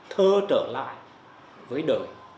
thơ trở lại với đời